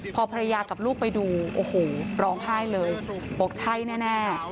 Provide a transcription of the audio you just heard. พอภรรยากับลูกไปดูโอ้โหร้องไห้เลยบอกใช่แน่